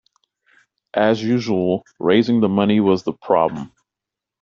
As usual raising the money was the problem.